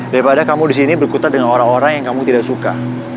daripada kamu di sini berkutat dengan orang orang yang kamu tidak suka